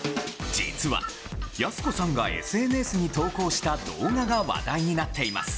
実は、やす子さんがＳＮＳに投稿した動画が話題になっています。